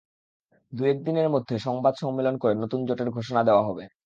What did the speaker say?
দু-এক দিনের মধ্যে সংবাদ সম্মেলন করে নতুন জোটের ঘোষণা দেওয়া হবে।